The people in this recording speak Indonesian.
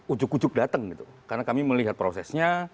ujuk ujuk datang gitu karena kami melihat prosesnya